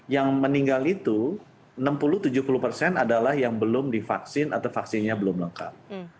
yang meninggal itu enam puluh tujuh puluh persen adalah yang belum divaksin atau vaksinnya belum lengkap